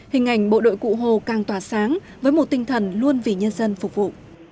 hình ảnh bộ đội cụ hồ càng tỏa sáng với một tinh thần luôn vì nhân dân phục vụ